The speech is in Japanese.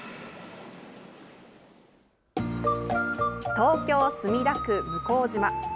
東京・墨田区向島。